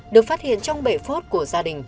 được phát hiện trong bể phốt của gia đình